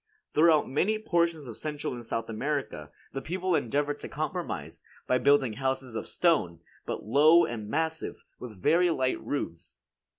Throughout many portions of Central and South America, the people endeavor to compromise, by building houses of stone, but low and massive, with very light roofs.